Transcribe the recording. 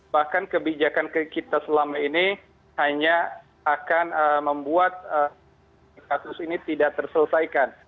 bahkan kebijakan kita selama ini hanya akan membuat kasus ini tidak terselesaikan